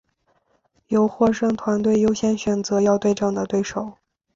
由获胜团队优先选择要对阵的对手。